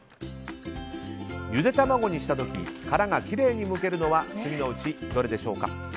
ゆで卵にした時殻がきれいにむけるのは次のうちどれでしょうか。